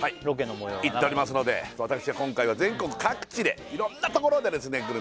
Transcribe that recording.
ロケの模様が行っておりますので私は今回は全国各地でいろんな所でですね